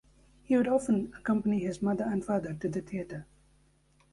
He would often accompany his mother and father to the theater.